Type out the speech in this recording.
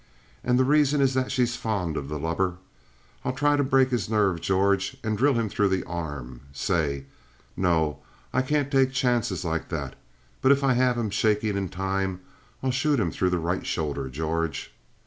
And the reason is that she's fond of the lubber. I'll try to break his nerve, George, and drill him through the arm, say. No, I can't take chances like that. But if I have him shaking in time, I'll shoot him through the right shoulder, George.